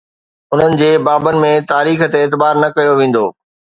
انهن جي بابن ۾ تاريخ تي اعتبار نه ڪيو ويندو.